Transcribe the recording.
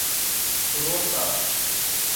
Coroatá